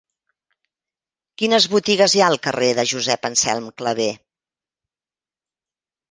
Quines botigues hi ha al carrer de Josep Anselm Clavé?